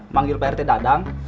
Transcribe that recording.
manggil pak rt dadang